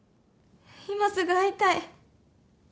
今すぐ会いたい！